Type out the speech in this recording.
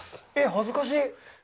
恥ずかしい。